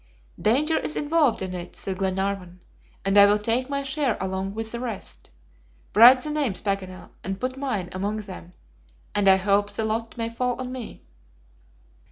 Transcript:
"Danger is involved in it," said Glenarvan, "and I will take my share along with the rest. Write the names, Paganel, and put mine among them, and I hope the lot may fall on me."